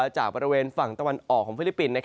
จากบริเวณฝั่งตะวันออกของฟิลิปปินส์